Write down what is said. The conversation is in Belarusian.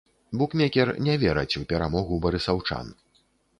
Букмекер не вераць у перамогу барысаўчан.